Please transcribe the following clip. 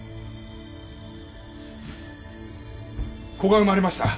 子が産まれました。